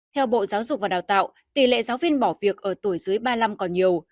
theo bộ giáo dục và đào tạo tỷ lệ giáo viên bỏ việc ở tuổi dưới ba mươi năm còn nhiều